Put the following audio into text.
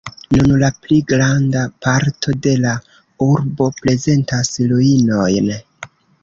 Nun la pli granda parto de la urbo prezentas ruinojn.